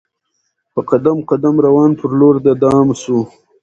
په قدم قدم روان پر لور د دام سو